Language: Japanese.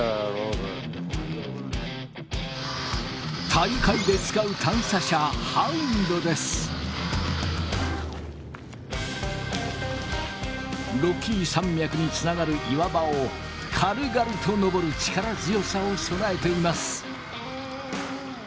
大会で使うロッキー山脈につながる岩場を軽々と登る力強さを備えています。